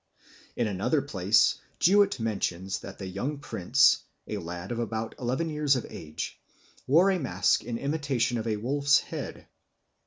In another place Jewitt mentions that the young prince a lad of about eleven years of age wore a mask in imitation of a wolf's head.